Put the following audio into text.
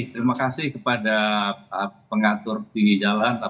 terima kasih kepada pengatur tinggi jalan